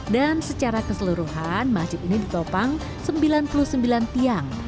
dan secara keseluruhan masjid ini ditopang sembilan puluh sembilan buah